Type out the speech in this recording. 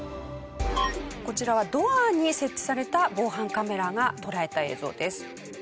こちらはドアに設置された防犯カメラが捉えた映像です。